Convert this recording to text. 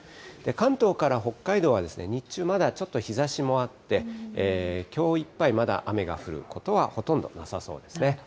関東から北海道は、日中、まだちょっと日ざしもあって、きょういっぱい、まだ雨が降ることはほとんどなさそうですね。